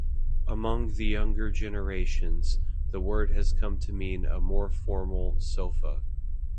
Among the younger generations, the word has come to mean a more formal sofa.